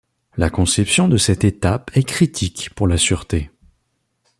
La conception de cette étape est critique pour la sûreté.